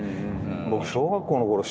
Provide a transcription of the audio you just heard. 僕小学校のころ